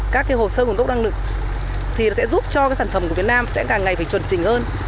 các hồ sơ nguồn gốc năng lực thì sẽ giúp cho sản phẩm của việt nam sẽ càng ngày phải chuẩn trình hơn